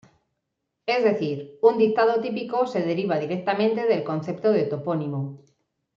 Es decir, un dictado típico se deriva directamente del concepto de topónimo.